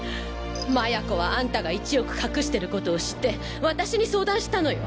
麻也子はあんたが１億隠してることを知って私に相談したのよ！